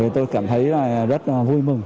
tôi cảm thấy rất vui mừng